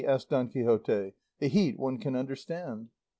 asked Don Quixote; "the heat one can understand."